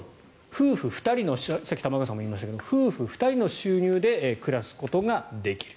夫婦２人のさっき玉川さんも言いましたが夫婦２人の収入で暮らすことができる。